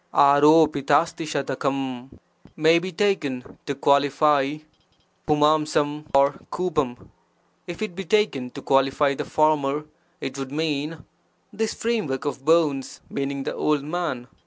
[31 |<| ft d I fWTcl^— May be taken to qualify ^TH^or f^ If it be taken to qualify the former, it would mean: this framework of bones (meaning the old man).